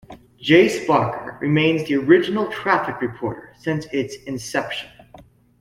Jayce Barker remains the original traffic reporter since its inception.